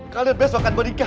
kalian besok akan berikah